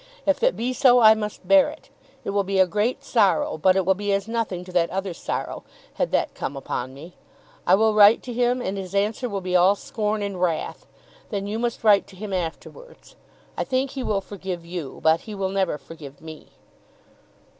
If it be so I must bear it. It will be a great sorrow, but it will be as nothing to that other sorrow, had that come upon me. I will write to him, and his answer will be all scorn and wrath. Then you must write to him afterwards. I think he will forgive you, but he will never forgive me."